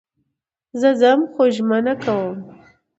زه ځم خو ژمنه کوم